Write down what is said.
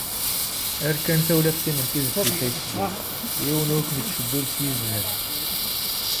Err kan tawlaft-im n tidet deg Facebook, yiwen ur kem-ittcewwil s yiznan.